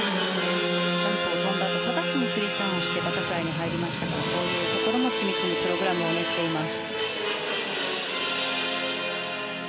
ジャンプを跳んだあと直ちにスリーターンをしてバタフライに入りましたがこういうところも、緻密にプログラムを練っています。